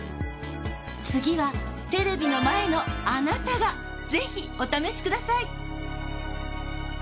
次はテレビの前のあなたがぜひお試しください。